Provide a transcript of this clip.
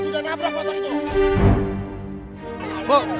seperti dia sudah nabrak motor itu